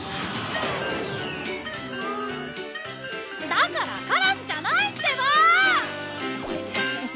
だからカラスじゃないってば！